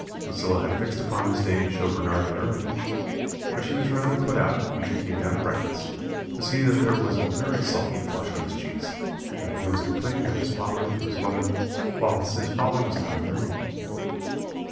"Lucilla had fixed upon this day to show Bernard the hermitage; but she was rather put out, when she came down to breakfast, to see that there was a very sulky flush on his cheeks, and that he was complaining of his father to his mother, whilst his father was not in the room.